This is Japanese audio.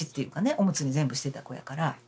おむつに全部してた子やから。